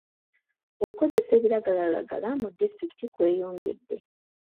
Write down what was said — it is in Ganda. Okukozesa ebiragalalagala mu disitulikiti kweyongedde.